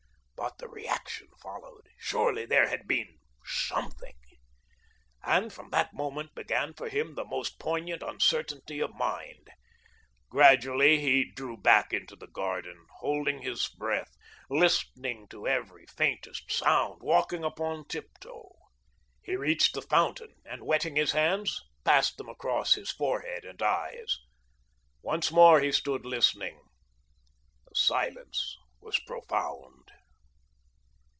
But the reaction followed. Surely, there had been Something. And from that moment began for him the most poignant uncertainty of mind. Gradually he drew back into the garden, holding his breath, listening to every faintest sound, walking upon tiptoe. He reached the fountain, and wetting his hands, passed them across his forehead and eyes. Once more he stood listening. The silence was profound.